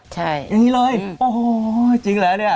ใช่อย่างนี้เลยโอ้โหจริงแล้วเนี่ย